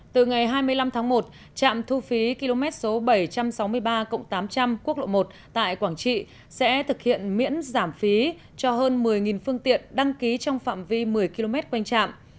từ ngày hai mươi năm tháng một trạm thu phí km bảy trăm sáu mươi ba tám trăm linh quốc lộ một tại quảng trị sẽ thực hiện miễn giảm phí cho hơn một mươi phương tiện đăng ký trong phạm vi một mươi km quanh trạm